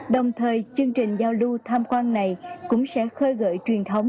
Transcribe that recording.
đồng thời chương trình giao lưu tham quan này cũng sẽ khơi gợi truyền thống